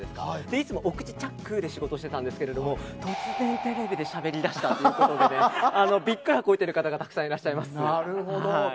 いつもお口チャックで仕事していたんですけれども突然テレビでしゃべりだしたということでびっくらこいてる方がたくさんいらっしゃいます。